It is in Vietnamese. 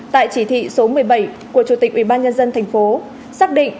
tại chỉ thị số một mươi bảy của chủ tịch ủy ban nhân dân tp hcm xác định